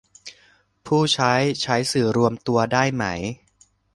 ผู้ใช้ใช้สื่อรวมตัวได้ไหม